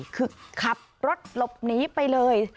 คือขับรถหลบหนีไปเลย